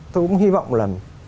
tôi cũng hy vọng là